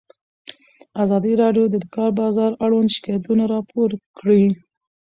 ازادي راډیو د د کار بازار اړوند شکایتونه راپور کړي.